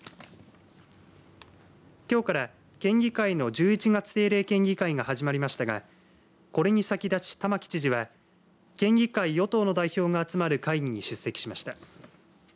きょうから県議会の１１月定例県議会が始まりましたがこれに先立ち、玉城知事は県議会与党の代表が集まる会議に出席しました。